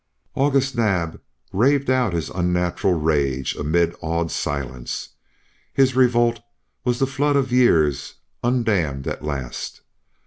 August Naab raved out his unnatural rage amid awed silence. His revolt was the flood of years undammed at the last.